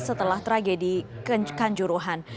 setelah tragedi kanjuruhan